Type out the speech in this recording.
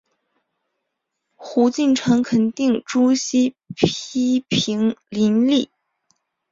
胡晋臣肯定朱熹批评林栗。